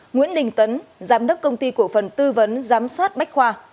nguyễn đình tấn giám đốc công ty cổ phần tư vấn giám sát bách khoa